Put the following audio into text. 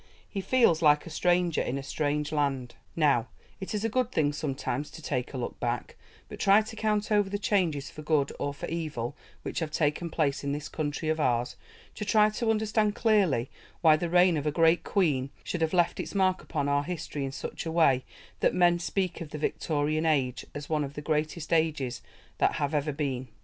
He feels like a stranger in a strange land. Now, it is a good thing sometimes to take a look back, to try to count over the changes for good or for evil which have taken place in this country of ours; to try to understand clearly why the reign of a great Queen should have left its mark upon our history in such a way that men speak of the Victorian Age as one of the greatest ages that have ever been.